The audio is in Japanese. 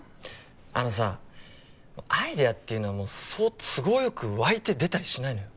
あのさアイデアっていうのはそう都合よく湧いて出たりしないのよ